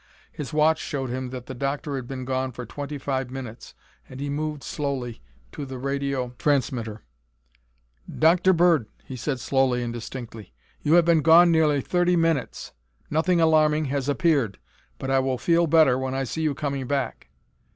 His watch showed him that the Doctor had been gone for twenty five minutes and he moved slowly to the radio transmitter. "Dr. Bird," he said slowly and distinctly, "you have been gone nearly thirty minutes. Nothing alarming has appeared but I will feel better when I see you coming back."